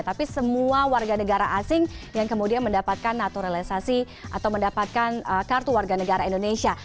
tapi semua warganegara asing yang kemudian mendapatkan naturalisasi atau mendapatkan kartu warganegara indonesia